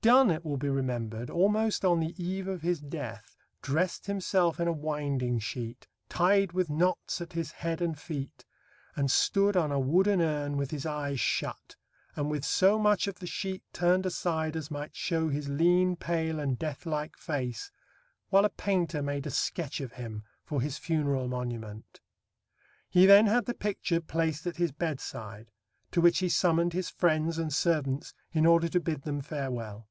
Donne, it will be remembered, almost on the eve of his death, dressed himself in a winding sheet, "tied with knots at his head and feet," and stood on a wooden urn with his eyes shut, and "with so much of the sheet turned aside as might show his lean, pale, and death like face," while a painter made a sketch of him for his funeral monument. He then had the picture placed at his bedside, to which he summoned his friends and servants in order to bid them farewell.